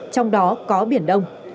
trong đó có biển đông